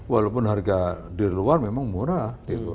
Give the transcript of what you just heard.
walaupun harga di luar memang murah